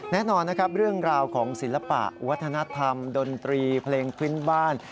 แน่นอนนะครับเรื่องราวของศิลปะวัฒนธรรมดนตรีเพลงพื้นบ้าน